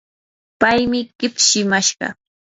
paymi kipshimashqa.